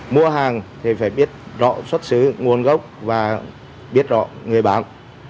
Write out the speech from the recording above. mua hàng thì phải biết rõ xuất xứ nguồn gốc và biết rõ người bán